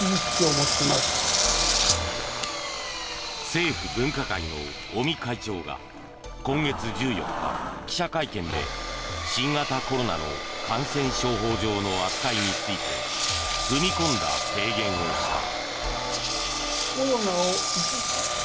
政府分科会の尾身会長が今月１４日、記者会見で新型コロナの感染症法上の扱いについて踏み込んだ提言をした。